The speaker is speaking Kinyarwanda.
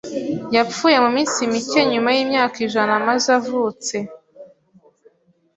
Yapfuye mu minsi mike nyuma yimyaka ijana amaze avutse.